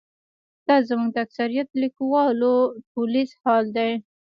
دا زموږ د اکثریت لیکوالو ټولیز حال دی.